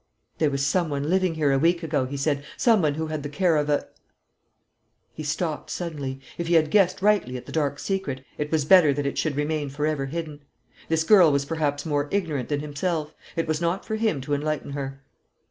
"There was some one living here a week ago," he said; "some one who had the care of a " He stopped suddenly. If he had guessed rightly at the dark secret, it was better that it should remain for ever hidden. This girl was perhaps more ignorant than himself. It was not for him to enlighten her.